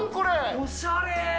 おしゃれー。